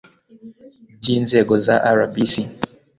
BY INZEGO ZA RBC